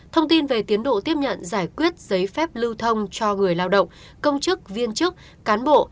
thông tin về tiến độ tiếp nhận giải quyết giấy phép lưu thông cho người lao động công chức viên chức cán bộ